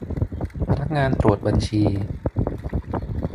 พนักงานตรวจบัญชี